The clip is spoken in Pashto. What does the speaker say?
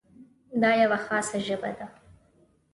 دا یوه خاصه ژبه ده.